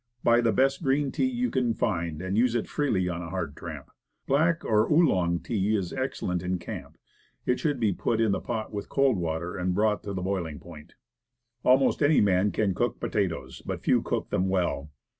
Buy the best green tea you can find, and use it freely on a hard tramp. Black, or Oolong tea, is excellent in camp. It should be put in the pot with cold water, brought to the boil ing point, and allowed to boil for five minutes. Almost any man can cook potatoes, but few cook them well.